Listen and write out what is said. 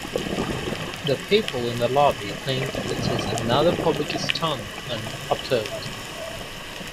The people in the lobby think it is another public stunt and applaud.